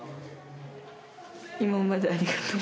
今までありがとう。